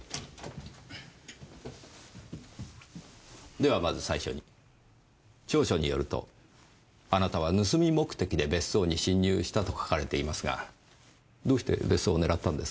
ではまず最初に調書によるとあなたは盗み目的で別荘に侵入したと書かれていますがどうして別荘を狙ったんですか？